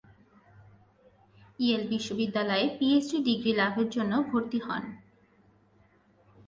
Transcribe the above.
Yale বিশ্ববিদ্যালয়ে PhD degree লাভের জন্য ভরতি হন।